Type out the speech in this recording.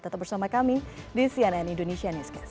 tetap bersama kami di cnn indonesia newscast